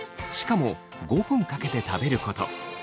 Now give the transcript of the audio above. しかも５分かけて食べること。